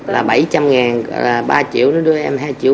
là bảy trăm linh ngàn ba triệu nó đưa em hai triệu ba